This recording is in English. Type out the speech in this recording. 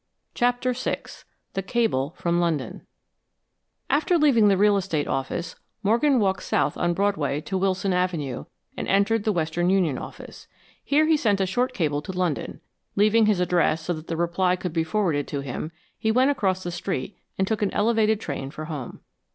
CHAPTER VI THE CABLE FROM LONDON After leaving the real estate office, Morgan walked south on Broadway to Wilson Avenue and entered the Western Union office. Here he sent a short cable to London. Leaving his address so that the reply could be forwarded to him, he went across the street and took an elevated train for home.